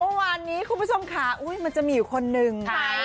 เมื่อวานนี้คุณผู้ชมค่ะมันจะมีอยู่คนหนึ่ง